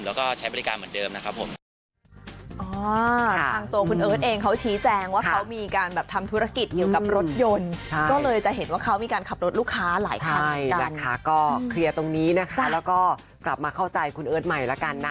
แล้วก็ใช้บริการเหมือนเดิมนะครับผม